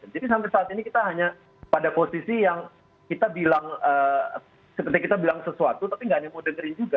jadi sampai saat ini kita hanya pada posisi yang kita bilang seperti kita bilang sesuatu tapi tidak ada yang mau dengerin juga